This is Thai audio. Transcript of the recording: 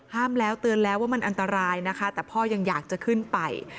ห้ามแล้วเตือนแล้วว่ามันอันตรายนะคะแต่พ่อยังอยากจะขึ้นไป